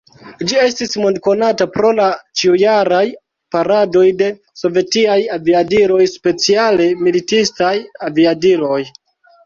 Ĝi estis mondkonata pro la ĉiujaraj paradoj de sovetiaj aviadiloj, speciale militistaj aviadiloj.